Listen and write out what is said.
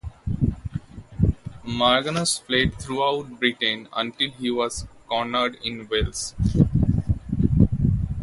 Marganus fled throughout Britain until he was cornered in Wales.